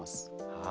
はい。